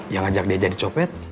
yang ajak dia jadi copet